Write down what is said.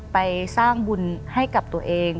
ไปสร้างบุญให้กับตัวเอง